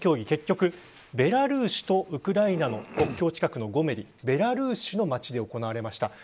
結局、ベラルーシとウクライナの国境近くのゴメリベラルーシの街で行われました。